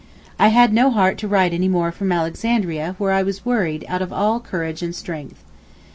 I had no heart to write any more from Alexandria where I was worried out of all courage and strength.